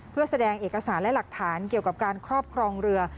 เพื่อแสดงเอกสารและหลักฐานเกี่ยวกับการครอบครองเรือ